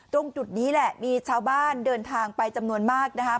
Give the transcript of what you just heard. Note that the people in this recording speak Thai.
ตรงจุดนี้แหละมีชาวบ้านเดินทางไปจำนวนมากนะครับ